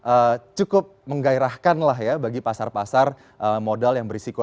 bukan menjadi hal yang cukup menggairahkan lah ya bagi pasar pasar modal yang berisiko